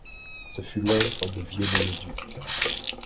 Ce fut l'œuvre de Viollet-le-Duc.